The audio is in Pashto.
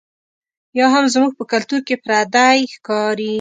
یا هم زموږ په کلتور کې پردۍ ښکاري.